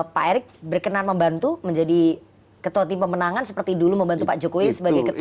pak erick berkenan membantu menjadi ketua tim pemenangan seperti dulu membantu pak jokowi sebagai ketua